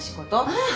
ああ。